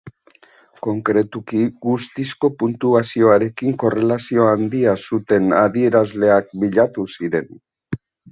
Konkretuki, guztizko puntuazioarekin korrelazio handia zuten adierazleak bilatu ziren.